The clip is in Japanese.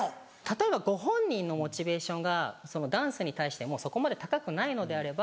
例えばご本人のモチベーションがダンスに対してもうそこまで高くないのであれば。